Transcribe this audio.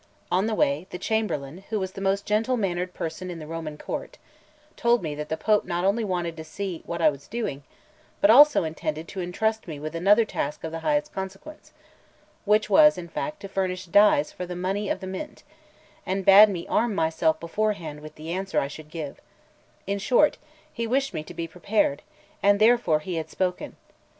On the way, the chamberlain, who was the most gentle mannered person in the Roman court, told me that the Pope not only wanted to see what I was doing, but also intended to intrust me with another task of the highest consequence, which was, in fact, to furnish dies for the money of the Mint; and bade me arm myself beforehand with the answer I should give; in short, he wished me to be prepared, and therefore he had spoken.